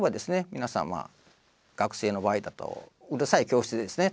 皆さんまあ学生の場合だとうるさい教室でですね